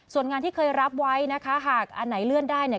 ส่วนงานที่เคยรับไว้นะคะหากอันไหนเลื่อนได้เนี่ย